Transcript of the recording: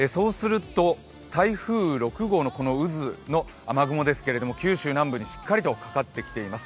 台風６号の渦の雨雲ですけれども、九州南部にしっかりとかかってきています。